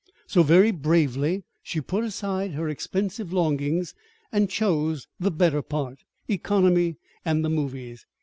So very bravely she put aside her expensive longings, and chose the better part economy and the movies.